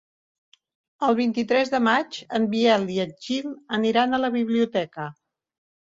El vint-i-tres de maig en Biel i en Gil aniran a la biblioteca.